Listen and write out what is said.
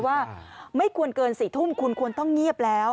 ว่าไม่ควรเกิน๔ทุ่มคุณควรต้องเงียบแล้ว